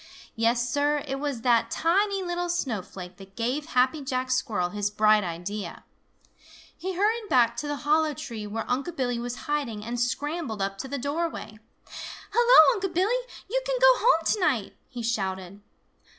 Yes, Sir, it was that tiny little snowflake that gave Happy Jack Squirrel his bright idea. He hurried back to the hollow tree where Unc' Billy was hiding and scrambled up to the doorway. "Hello, Unc' Billy! You can go home to night!" he shouted.